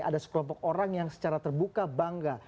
ada sekelompok orang yang secara terbuka bangga